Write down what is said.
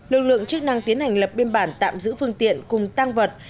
lực lượng chức năng tiến hành lập biên bản tạm giữ phương tiện cùng tăng vật